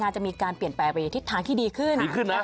จะมีการเปลี่ยนแปลงไปทางที่ดีขึ้น